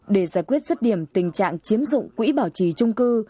để giải quyết rất điểm tình trạng chiếm dụng quỹ bảo trì chung cư